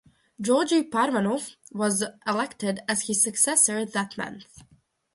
Georgi Parvanov was elected as his successor that month.